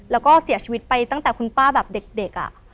แล้วก็เสียชีวิตไปตั้งแต่คุณป้าแบบเด็ก